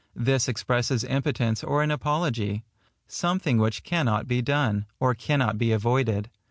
This expresses impotence or an apology,—something which cannot be done, or cannot be avoided.